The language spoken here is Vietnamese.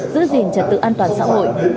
giữ gìn trật tự an toàn xã hội